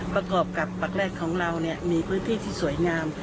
ประกอบกับปากแรกของเรามีพื้นที่ที่สวยงาม